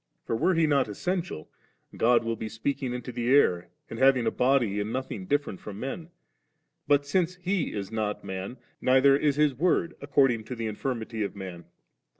For were He not essential, God will be speaking into the air3*, and having a body, in nothing differently from men ; but since He is not man, neither is His Word according to the infirmity of man4.